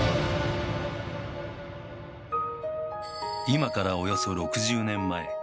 今からおよそ６０年前。